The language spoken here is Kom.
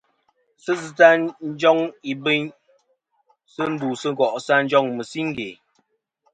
Sɨ zɨtɨ nɨ̀ njoŋ ìbɨyn ndu go'sɨ ǹ njoŋ mɨ̀siŋge.